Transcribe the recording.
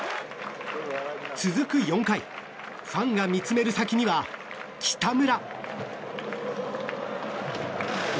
続く４回ファンが見つめる先には、北村。